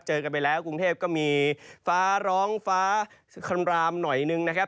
กันไปแล้วกรุงเทพก็มีฟ้าร้องฟ้าคอนรามหน่อยนึงนะครับ